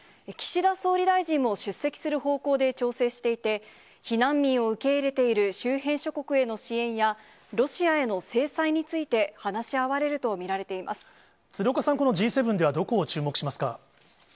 岸田総理大臣も出席する方向で調整していて、避難民を受け入れている周辺諸国への支援や、ロシアへの制裁について、鶴岡さん、このＧ７ではどこを注目しますか？